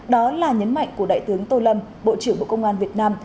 đó là nhấn mạnh của đại tướng tô lâm bộ trưởng bộ công an việt nam